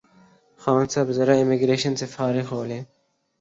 خان صاحب ذرا امیگریشن سے فارغ ہولیں